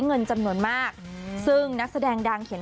เงินจำนวนมากซึ่งนักแสดงดังเขียน